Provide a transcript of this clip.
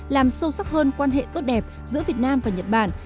làm sâu sắc hơn quan hệ tốt đẹp giữa việt nam và nhật bản